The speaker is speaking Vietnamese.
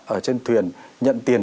ở trên thuyền nhận tiền